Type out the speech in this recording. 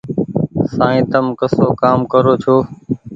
سائين تم ڪسو ڪآم ڪرو ڇو ۔